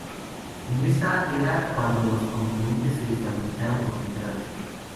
Es en esta era cuando los continentes se estabilizaron por primera vez.